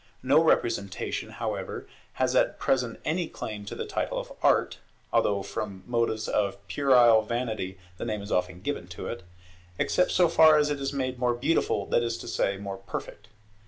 No representation, however, has at present any claim to the title of Art (although from motives of puerile vanity the name is often given to it), except so far as it is made more beautiful, that is to say, more perfect.